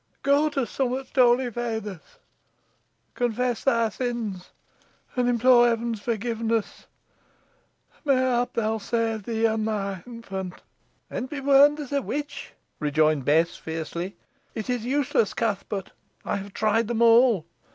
Go to some o' t' oly feythers confess thy sins an' implore heaven's forgiveness an' mayhap they'll save thee an' thy infant." "And be burned as a witch," rejoined Bess, fiercely. "It is useless, Cuthbert; I have tried them all.